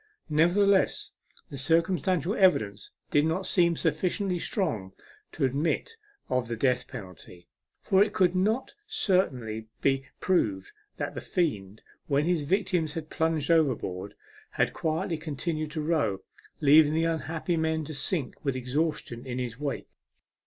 Nevertheless, the circumstantial evidence did not seem sufficiently strong to admit of the death penalty, for it could not certainly be proved that the fiend, when his victims had plunged overboard, had quietly continued to row, leaving the unhappy men to sink with exhaustion in his wake.